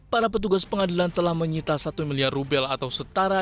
para petugas pengadilan telah menyita satu miliar rubel atau setara